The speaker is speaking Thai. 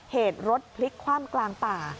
เหตุรถพลิกคว่ำกลางป่า